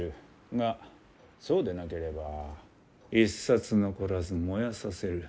がそうでなければ一冊残らず燃やさせる。